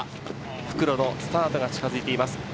復路のスタートが近づいています。